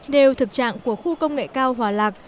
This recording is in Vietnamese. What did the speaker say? đều thực trạng của khu công nghệ cao hòa lạc